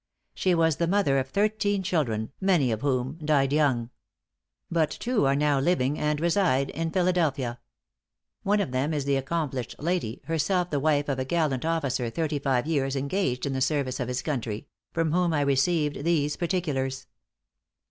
She was the mother of thirteen children, many of whom died young. But two are now living and reside in Philadelphia. One of them is the accomplished lady herself the wife of a gallant officer thirty five years engaged in the service of his country from whom I received these particulars.